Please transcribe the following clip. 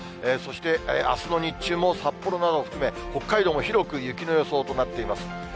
そして、あすの日中も札幌などを含め、北海道も広く雪の予想となっています。